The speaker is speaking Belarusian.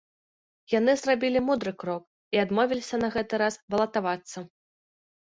Яны зрабілі мудры крок і адмовіліся на гэты раз балатавацца.